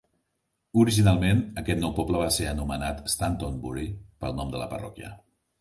Originalment, aquest nou poble va ser anomenat Stantonbury pel nom de la parròquia.